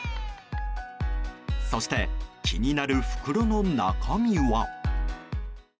そして、気になる袋の中身は。